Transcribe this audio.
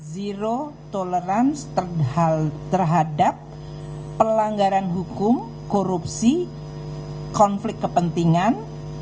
zero tolerance terhadap pelanggaran hukum korupsi konflik kepentingan